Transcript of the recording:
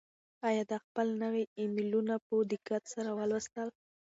آیا ده خپل نوي ایمیلونه په دقت سره ولوستل؟